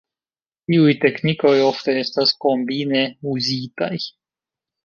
Tiuj teknikoj ofte estas kombine uzitaj.